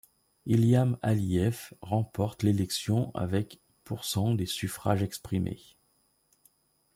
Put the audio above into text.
Ilham Aliyev remporte l'élection avec % des suffrages exprimés.